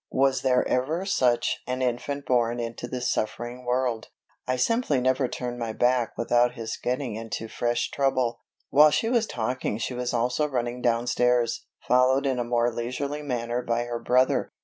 Was there ever such an infant born into this suffering world? I simply never turn my back without his getting into fresh trouble." While she was talking she was also running downstairs, followed in a more leisurely manner by her brother.